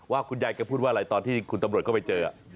คุณยายแกพูดว่าอะไรตอนที่คุณตำรวจเข้าไปเจอ